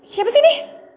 siapa sih ini